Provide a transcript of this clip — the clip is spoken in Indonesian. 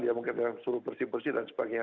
ya mungkin dengan suruh bersih bersih dan sebagainya